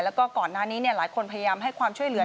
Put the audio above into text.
แล้วก็ก่อนหน้านี้หลายคนพยายามให้ความช่วยเหลือ